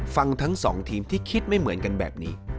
ฟังทั้งสองทีมที่คิดไม่เหมือนกันแบบนี้